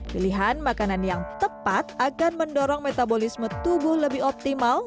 pilihan makanan yang tepat akan mendorong metabolisme tubuh lebih optimal